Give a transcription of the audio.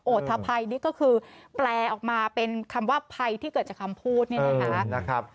ธภัยนี่ก็คือแปลออกมาเป็นคำว่าภัยที่เกิดจากคำพูดเนี่ยนะคะ